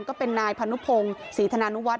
ก็เป็นนายพนุพงศรีธนานุวัฒ